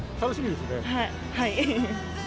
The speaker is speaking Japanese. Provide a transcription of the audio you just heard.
はい。